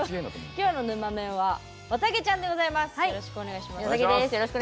きょうのぬまメンはわたげちゃんでございます。